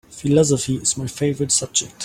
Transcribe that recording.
Philosophy is my favorite subject.